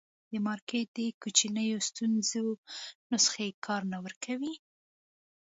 د مارکېټ د کوچنیو ستونزو نسخې کار نه ورکوي.